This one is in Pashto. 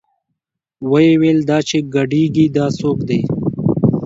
ويې ويل دا چې ګډېګي دا سوک دې.